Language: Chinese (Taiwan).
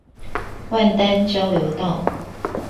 萬丹交流道